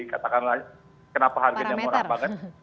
katakanlah kenapa harganya murah banget